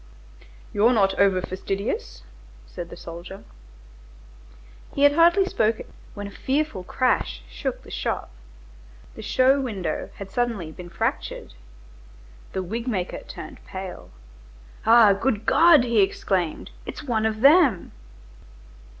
"You're not over fastidious," said the soldier. He had hardly spoken when a fearful crash shook the shop. The show window had suddenly been fractured. The wig maker turned pale. "Ah, good God!" he exclaimed, "it's one of them!"